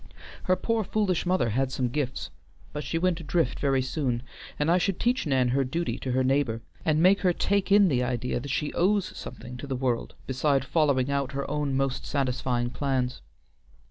Her poor foolish mother had some gifts, but she went adrift very soon, and I should teach Nan her duty to her neighbor, and make her take in the idea that she owes something to the world beside following out her own most satisfying plans.